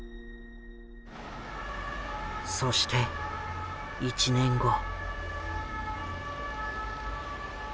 そして１年後。